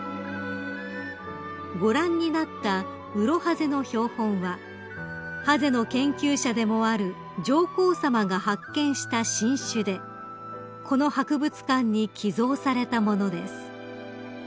［ご覧になったウロハゼの標本はハゼの研究者でもある上皇さまが発見した新種でこの博物館に寄贈されたものです］